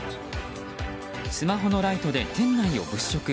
スマホのライトで店内を物色。